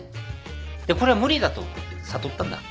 でこれは無理だと悟ったんだ。